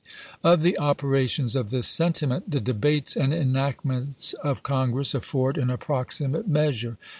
Of the operations of this sentiment the debates and enactments of Congress afford an approximate measure.